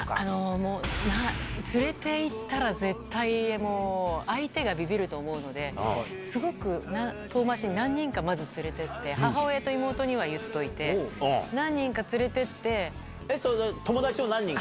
もう連れていったら、絶対もう、相手がびびると思うので、すごく遠回しに何人かまず連れてって、母親と妹には言っておいて、友達を何人か？